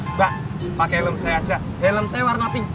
mbak pakai helm saya aja helm saya warna pink